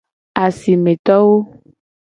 Asimetowo.